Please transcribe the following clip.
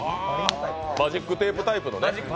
マジックテープタイプのね。